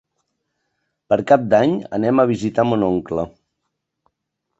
Per Cap d'Any anem a visitar mon oncle.